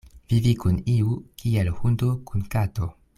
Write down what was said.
Vivi kun iu kiel hundo kun kato.